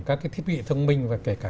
các thiết bị thông minh và kể cả